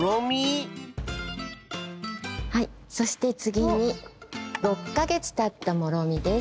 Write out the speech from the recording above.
はいそしてつぎに６かげつたったもろみです。